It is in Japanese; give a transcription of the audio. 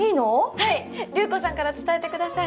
はい流子さんから伝えてください